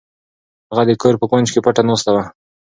هغه د کور په کونج کې پټه ناسته وه.